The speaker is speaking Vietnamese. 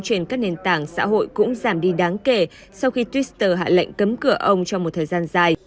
trên các nền tảng xã hội cũng giảm đi đáng kể sau khi twitter hạ lệnh cấm cửa ông trong một thời gian dài